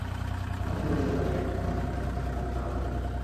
আবার যিনি অভিজাত এলাকায় এখন একটি ফ্ল্যাট কিনেছেন, তাঁকে সারচার্জ দিতে হচ্ছে।